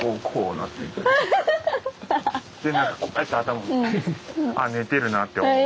あっ寝てるなって思う。